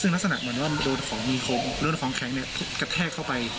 ซึ่งลักษณะเหมือนว่ามันโดนของมีคมโดนของแข็งเนี่ยกระแทกเข้าไป